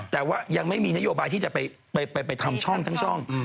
แต่ว่ายังไม่มีนโยบายที่จะไปทำช่อง